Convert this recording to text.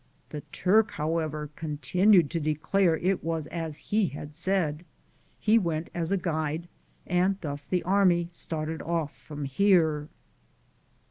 The Turk, however, continued to declare that it was as he had said. He went as a guide, and thus the army started off from here.